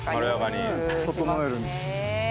調えるんです。